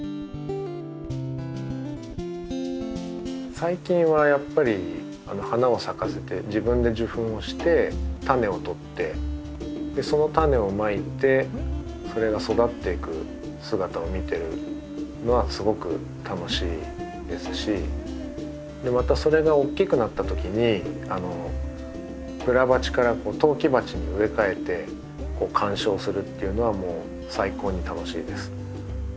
最近はやっぱり花を咲かせて自分で受粉をしてタネをとってそのタネをまいてそれが育っていく姿を見てるのはすごく楽しいですしまたそれが大きくなった時にプラ鉢から陶器鉢に植え替えて観賞するっていうのはもう最高に楽しいです。